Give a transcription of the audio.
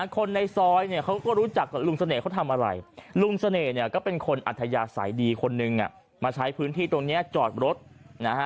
คนในซอยเนี่ยเขาก็รู้จักกับลุงเสน่ห์เขาทำอะไรลุงเสน่ห์เนี่ยก็เป็นคนอัธยาศัยดีคนนึงมาใช้พื้นที่ตรงนี้จอดรถนะฮะ